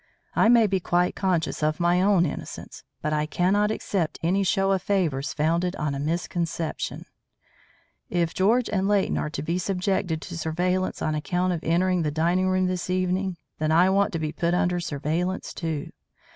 I may be quite conscious of my own innocence, but I cannot accept any show of favours founded on a misconception. If George and Leighton are to be subjected to surveillance on account of entering the dining room this evening, then I want to be put under surveillance too.